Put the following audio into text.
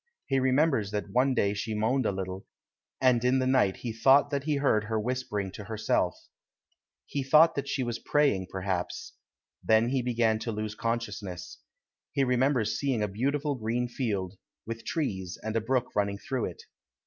He remembers that one day she moaned a little, and in the night he thought that he heard her whispering to herself. He thought that she was praying, perhaps. Then he began to lose consciousness. He remembers seeing a beautiful green field, with trees, and a brook running through it.